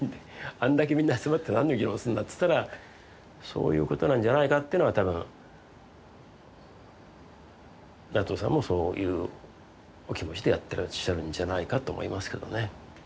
あんだけみんな集まって何の議論するんだっつったらそういうことなんじゃないかっていうのは多分内藤さんもそういうお気持ちでやってらっしゃるんじゃないかと思いますけどね。